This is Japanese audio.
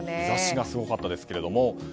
日差しがすごかったですけれども。